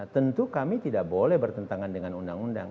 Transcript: tentu kami tidak boleh bertentangan dengan undang undang